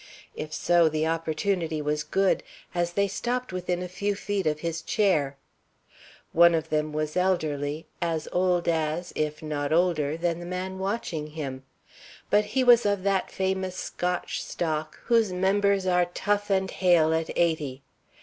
If so, the opportunity was good, as they stopped within a few feet of his chair. One of them was elderly, as old as, if not older than, the man watching him; but he was of that famous Scotch stock whose members are tough and hale at eighty.